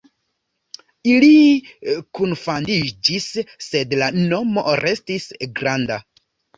Ili kunfandiĝis, sed la nomo restis "Granda".